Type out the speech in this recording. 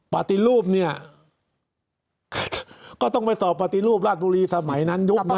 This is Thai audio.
ปฏิรูปเนี่ยก็ต้องไปสอบปฏิรูปราชบุรีสมัยนั้นยุคนะ